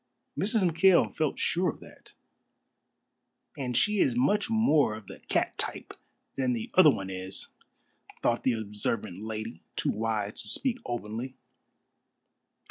Mrs. McKail felt sure of that. "And she is much more of the cat type than the other one is," thought the observant lady, too wise to speak openly.